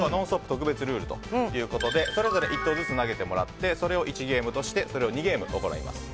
特別ルールということでそれぞれ１投ずつ投げてもらってそれを１ゲームとして合計２ゲーム行います。